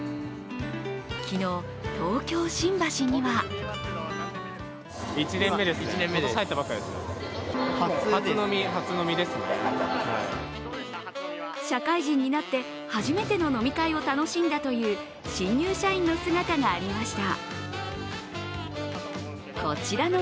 昨日、東京・新橋には社会人になって初めての飲み会を楽しんだという新入社員の姿がありました。